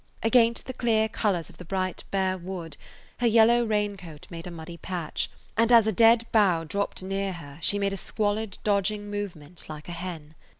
Against the clear colors of the bright bare wood her yellow raincoat made a muddy patch, and as a dead bough dropped near her she made a squalid dodg [Page 137] ing movement like a hen.